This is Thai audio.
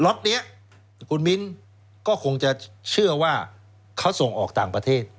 ็อตนี้คุณมิ้นก็คงจะเชื่อว่าเขาส่งออกต่างประเทศ